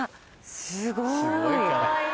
すごい。